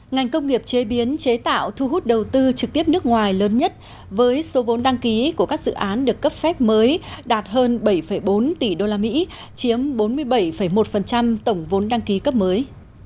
ngành công nghiệp chế biến chế tạo thu hút đầu tư trực tiếp nước ngoài lớn nhất với số vốn đăng ký của các dự án được cấp phép mới đạt hơn bảy bốn tỷ usd chiếm bốn mươi bảy một tổng vốn đăng ký cấp mới